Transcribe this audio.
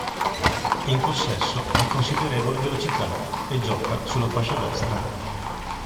È in possesso di considerevole velocità e gioca sulla fascia destra.